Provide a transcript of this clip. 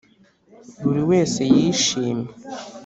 buri wese yishimye